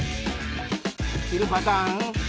いるパターン？